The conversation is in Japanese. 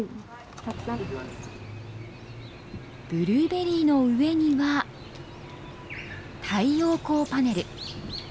ブルーベリーの上には、太陽光パネル。